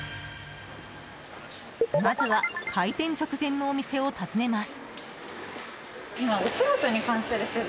まずは開店直前のお店を訪ねます。